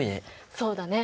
そうだね。